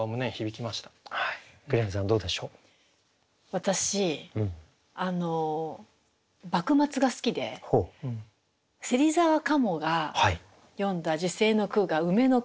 私幕末が好きで芹沢鴨が詠んだ辞世の句が「梅」の句なんですよ。